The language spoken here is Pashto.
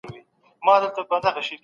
تعويذ يې نه اخلمه